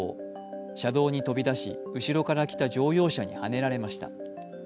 車道に飛び出し、後ろから来た乗用車にはねられました。